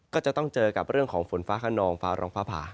ก็จะต้องเจอกับเรื่องของฝนฟ้าขนองฟ้าร้องฟ้าผ่า